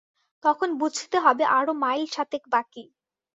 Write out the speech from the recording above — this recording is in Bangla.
তখন বুঝতে হবে আরো মাইল সাতেক বাকি।